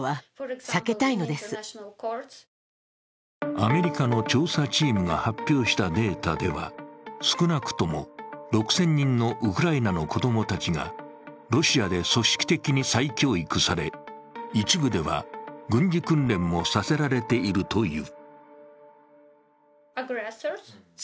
アメリカの調査チームが発表したデータでは、少なくとも６０００人のウクライナの子供たちがロシアで組織的に再教育され一部では軍事訓練もさせられているという。